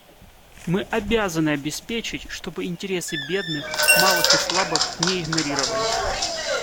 Мы обязаны обеспечить, чтобы интересы бедных, малых и слабых не игнорировались.